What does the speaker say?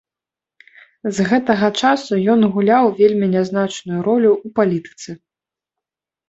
З гэтага часу ён гуляў вельмі нязначную ролю ў палітыцы.